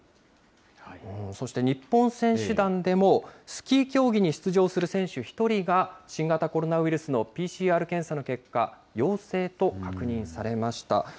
そして日本選手団でも、スキー競技に出場する選手１人が、新型コロナウイルスのＰＣＲ検査の結果、陽性と確認されました。